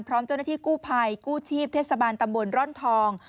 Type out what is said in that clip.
พร้อมเจ้าหน้าที่กู้ภัยกู้ชีพเทศบาลตำบลร่อนทอง